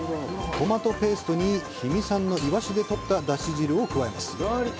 トマトペーストに氷見産のイワシで取った出汁を加えます。